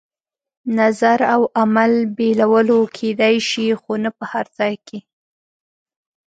نظر او عمل بېلولو کېدای شي، خو نه په هر ځای کې.